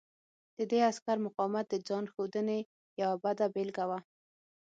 د دې عسکر مقاومت د ځان ښودنې یوه بده بېلګه وه